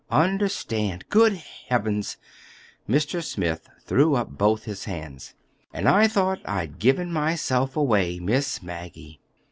"Understand! Good Heavens!" Mr. Smith threw up both his hands. "And I thought I'd given myself away! Miss Maggie."